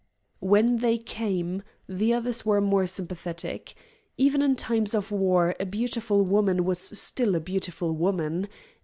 When they came, the others were more sympathetic. Even in times of war a beautiful woman is still a beautiful woman.